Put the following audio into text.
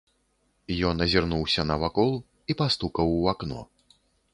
Ён азірнуўся навакол і пастукаў у акно.